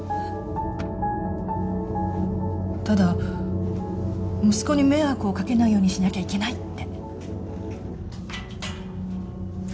ただ息子に迷惑をかけないようにしなきゃいけないって。